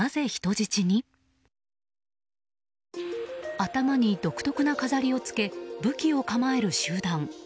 頭に独特な飾りをつけ武器を構える集団。